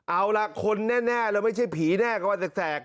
เอาล่ะคนแน่แล้วไม่ใช่ผีแน่ก็วันแสก